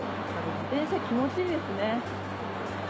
自転車気持ちいいですね。